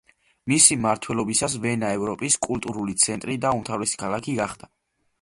მისი მმართველობისას ვენა ევროპის კულტურული ცენტრი და უმთავრესი ქალაქი გახდა.